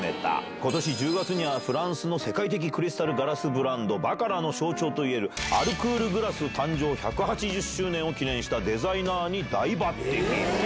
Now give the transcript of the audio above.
ことし１０月には、フランスの世界的クリスタルガラスブランド、バカラの象徴といえるアルクール・グラス誕生１８０周年を記念したデザイナーに大抜てき。